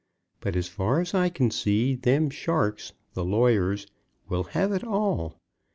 But as far as I can see, them sharks, the lawyers, will have it all.